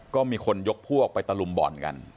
ก็มีคนยกพวกไปตะลุมบ่อนกัน